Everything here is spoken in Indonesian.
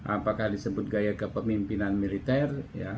apakah disebut gaya kepemimpinan militer